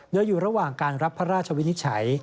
โดยอยู่ระหว่างการรับพระราชวินิจฉัย